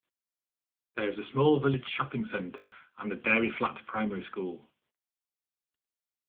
There is a small village shopping centre and the Dairy Flat Primary School.